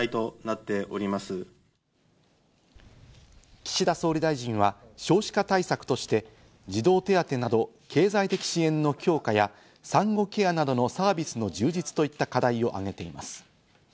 岸田総理大臣は少子化対策として、児童手当など経済的支援の強化や、産後ケアなどのサービスの充実といった課題を挙げています。